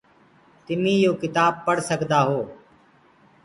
تمي يو ڪتآب پڙه سڪدآ هي۔